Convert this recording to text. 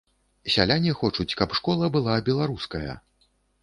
Сяляне хочуць, каб школа была беларуская.